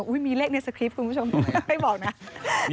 มีเลขในสคริปต์คุณผู้ชมไม่บอกนะ